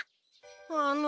あの。